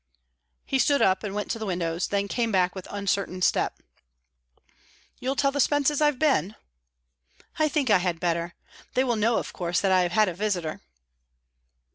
He stood up, and went to the windows; then came back with uncertain step. "You'll tell the Spences I've been?" "I think I had better. They will know, of course, that I have had a visitor."